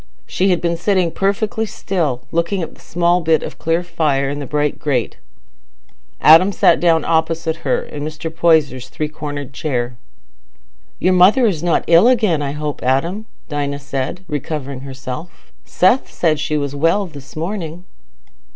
She had been sitting perfectly still, looking at the small bit of clear fire in the bright grate. Adam sat down opposite her, in Mr. Poyser's three cornered chair. "Your mother is not ill again, I hope, Adam?" Dinah said, recovering herself. "Seth said she was well this morning."